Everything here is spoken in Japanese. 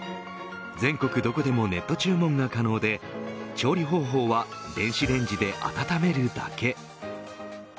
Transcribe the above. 全国どこでもネット注文が可能で調理方法は電子レンジで温めるだけ。